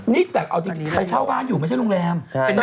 นี่แต่เอาจริงไปเช่าบ้านอยู่ไม่ใช่โรงแรม